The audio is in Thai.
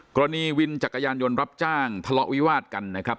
กรณีวินจักรยานยนต์รับจ้างทะเลาะวิวาดกันนะครับ